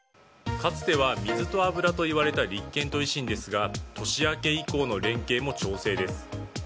かつては水と油といわれた立憲と維新ですが年明け以降の連携も調整です。